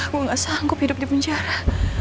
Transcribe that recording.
gue nggak sanggup hidup di penjara